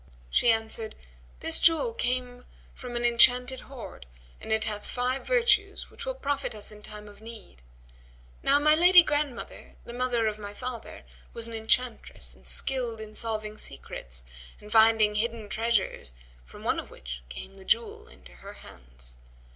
She answered, "This jewel came from an enchanted hoard, and it hath five virtues which will profit us in time of need. Now my lady grandmother, the mother of my father, was an enchantress and skilled in solving secrets and finding hidden treasures from one of which came the jewel into her hands.